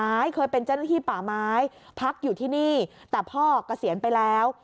เคยเป็นเจ้าหน้าที่ป่าไม้พักอยู่ที่นี่แต่พ่อเกษียณไปแล้ว